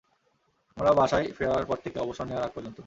আমরা বাসায় ফেরার পর থেকে অবসর নেয়ার আগ পর্যন্ত।